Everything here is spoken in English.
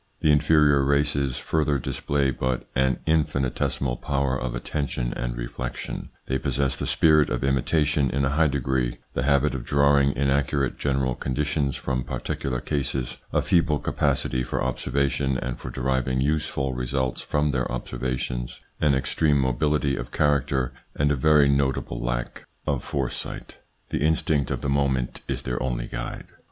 The inferior races further display but an in finitesimal power of attention and reflection ; they possess the spirit of imitation in a high degree, the habit of drawing inaccurate general conditions from particular cases, a feeble capacity for observation and for deriving useful results from their observations, an extreme mobility of character and a very notable lack 30 THE PSYCHOLOGY OF PEOPLES: of foresight. The instinct of the moment is their only guide.